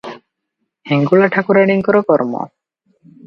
ହିଙ୍ଗୁଳା ଠାକୁରାଣୀଙ୍କର କର୍ମ ।"